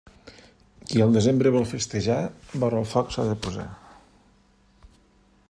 Qui al desembre vol festejar, vora el foc s'ha de posar.